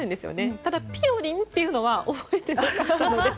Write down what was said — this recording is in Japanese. ただ、ぴぴよりんっていうのは覚えてなかったです。